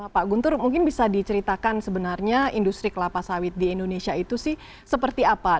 pak guntur mungkin bisa diceritakan sebenarnya industri kelapa sawit di indonesia itu sih seperti apa